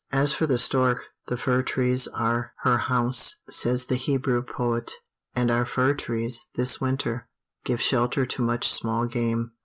"As for the stork, the fir trees are her house," says the Hebrew poet; and our fir trees, this winter, give shelter to much small game.